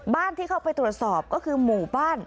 ที่เข้าไปตรวจสอบก็คือหมู่บ้าน